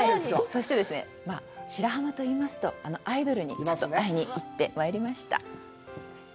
そしてですね、白浜といいますと、アイドルにちょっと会いにいってまいりました。